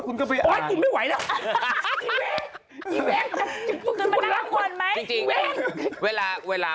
ไง